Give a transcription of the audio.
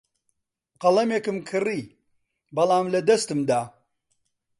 قەڵەمێکم کڕی، بەڵام لەدەستم دا.